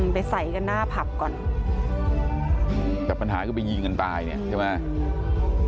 ไปใส่กันหน้าผับก่อนแต่ปัญหาคือไปยิงกันตายเนี่ยใช่ไหม